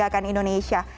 sehingga akan indonesia